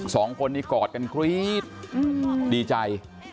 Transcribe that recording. สองคนนี้กอดกันกรี๊ดดีใจ